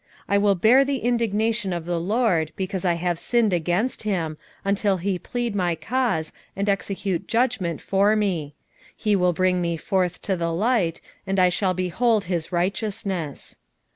7:9 I will bear the indignation of the LORD, because I have sinned against him, until he plead my cause, and execute judgment for me: he will bring me forth to the light, and I shall behold his righteousness.